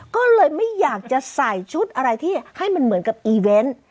ก็เลยไม่อยากจะใส่ชุดอะไรที่ให้มันเหมือนกับอีเวนต์